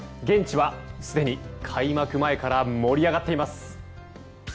現地はすでに開幕前から盛り上がっています。